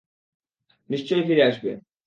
নিশ্চয়ই ফিরে আসবে।